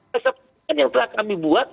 kesempatan yang telah kami buat